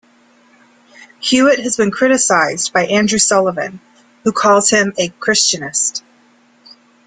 Hewitt has been criticized by Andrew Sullivan, who calls him a Christianist.